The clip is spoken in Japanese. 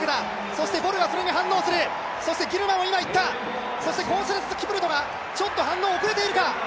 そしてボルがそれに反応するそしてギルマも今いった、そしてコンセスラス・キプルトが反応、遅れているか。